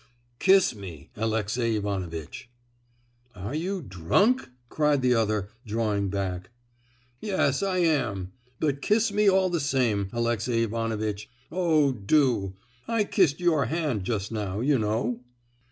"Kiss me, Alexey Ivanovitch!" "Are you drunk?" cried the other, drawing back. "Yes, I am—but kiss me all the same, Alexey Ivanovitch—oh, do! I kissed your hand just now, you know."